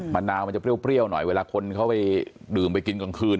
มะนาวมันจะเปรี้ยวหน่อยเวลาคนเขาไปดื่มไปกินกลางคืน